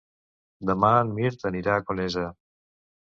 Demà en Mirt anirà a Conesa.